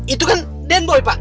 itu kan denboy pak